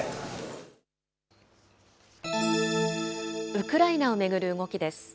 ウクライナを巡る動きです。